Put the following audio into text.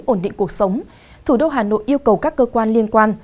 ổn định cuộc sống thủ đô hà nội yêu cầu các cơ quan liên quan